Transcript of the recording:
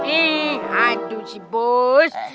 ih aduh si bos